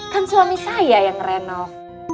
kan suami saya yang renov